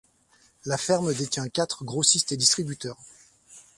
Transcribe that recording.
La ferme détient quatre grossistes et distributeurs.